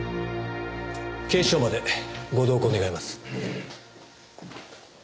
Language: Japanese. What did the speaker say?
警視庁までご同行願います。